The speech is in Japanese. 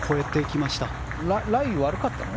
ライ、悪かったの？